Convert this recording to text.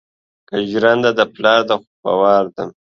که جرنده دې د پلار ده خو په وار ده